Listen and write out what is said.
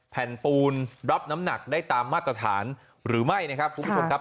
แผ่นปูนรับน้ำหนักได้ตามมาตรฐานหรือไม่นะครับ